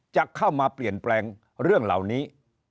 จะเข้ามาเปลี่ยนแปลงเรื่องเหล่านี้